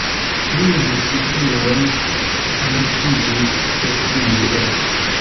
Liaj subuloj panikiĝis de tio.